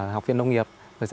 học viên nông nghiệp